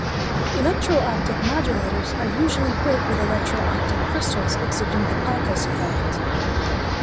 Electro-optic modulators are usually built with electro-optic crystals exhibiting the Pockels effect.